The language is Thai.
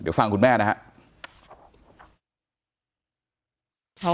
คงแม่นะฮะ